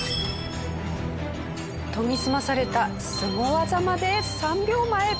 研ぎ澄まされたスゴ技まで３秒前。